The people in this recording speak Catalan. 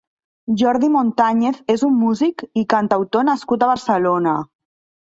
Jordi Montañez és un músic i cantautor nascut a Barcelona.